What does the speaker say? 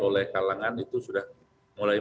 oleh kalangan itu sudah mulai